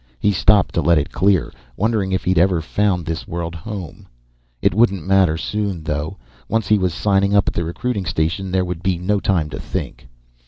He stopped to let it clear, wondering if he'd ever found this world home. It wouldn't matter soon, though; once he was signed up at the recruiting station, there would be no time to think.